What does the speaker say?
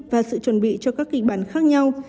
và sự chuẩn bị cho các kịch bản khác nhau